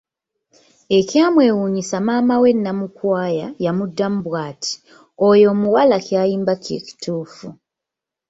Eky'amwewunyisa maama we Namukwaya ya muddamu bwati; Oyo omuwala kyayimba kye kituufu.